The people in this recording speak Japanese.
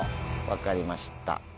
分かりました。